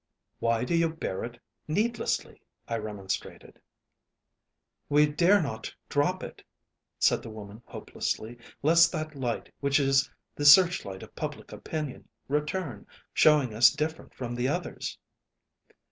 "'Why do you bear it needlessly?' I remonstrated. "'We dare not drop it,' said the woman, hopelessly, 'lest that light, which is the searchlight of public opinion, return, showing us different from the others.'